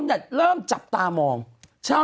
คุณหนุ่มกัญชัยได้เล่าใหญ่ใจความไปสักส่วนใหญ่แล้ว